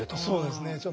そうですね。